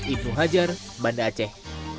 ibu hajar banda aceh